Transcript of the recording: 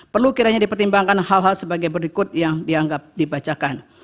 perlu kiranya dipertimbangkan hal hal sebagai berikut yang dianggap dibacakan